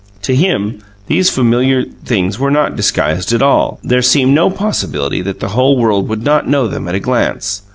To him these familiar things were not disguised at all; there seemed no possibility that the whole world would not know them at a glance.